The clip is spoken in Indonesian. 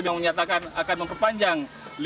yang menyatakan akan memperpanjang